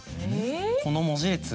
この文字列。